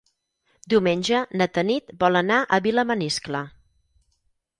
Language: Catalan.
Diumenge na Tanit vol anar a Vilamaniscle.